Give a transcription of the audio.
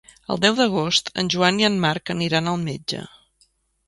El deu d'agost en Joan i en Marc aniran al metge.